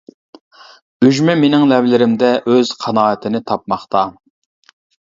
ئۈجمە مېنىڭ لەۋلىرىمدە ئۆز قانائىتىنى تاپماقتا.